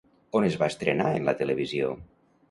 On es va estrenar en la televisió?